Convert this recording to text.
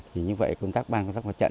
vâng như vậy công tác ban công tác hoạt trận